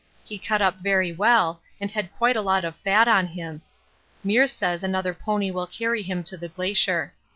He cut up very well and had quite a lot of fat on him. Meares says another pony will carry him to the Glacier.